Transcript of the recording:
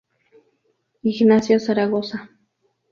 Ignacio Zaragoza.